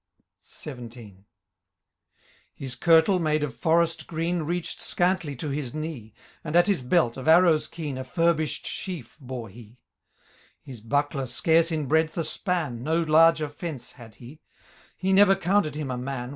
XVII. His kirtle, made of forest green. Reached scantly to his knee ; And, at his belt, of arrows keen A furbished sheaf bore he ; His buckler scarce in breadth a span. No larger fence had he ; He never counted him a man.